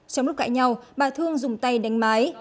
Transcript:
trong lúc cãi nhau bà thương dùng tay đánh mái